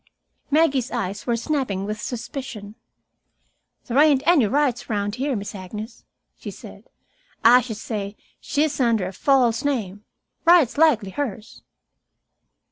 Maggie's eyes were snapping with suspicion. "There ain't any Wrights around here, Miss Agnes," she said. "I sh'd say she's here under a false name. Wright's likely hers."